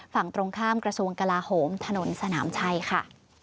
ฝั่งตรงข้ามกระทรวงกลาโหมถนนสนามชัยค่ะ